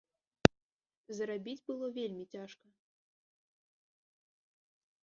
Зарабіць было вельмі цяжка.